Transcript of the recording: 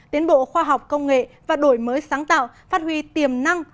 tiến bộ khoa học công nghệ và đổi mới sáng tạo phát huy tiềm năng